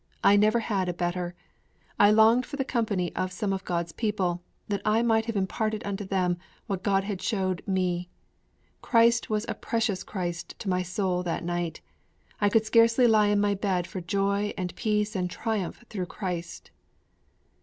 I never had a better. I longed for the company of some of God's people, that I might have imparted unto them what God had showed me. Christ was a precious Christ to my soul that night; I could scarcely lie in my bed for joy and peace and triumph through Christ!'